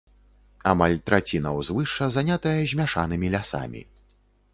Амаль траціна ўзвышша занятая змяшанымі лясамі.